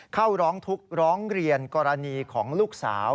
เข้าร้องทุกข์ร้องเรียนกรณีของลูกสาว